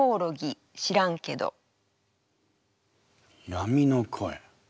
「闇の声」。